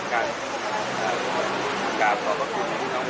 ในวันสุดท้ายแล้วนั้นก็เป็นการกลับเข้าไป